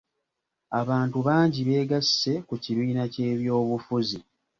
Abantu bangi beegasse ku kibiina ky'ebyobufuzi.